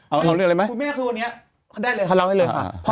เอาเรื่องอะไรไหมคุณแม่คือวันนี้เขาได้เลยเขาเล่าให้เลยค่ะ